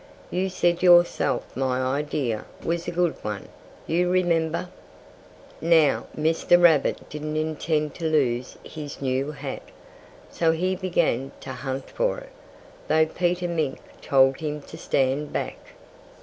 "You said yourself my idea was a good one, you remember." Now, Mr. Rabbit didn't intend to lose his new hat. So he began to hunt for it, though Peter Mink told him to stand back.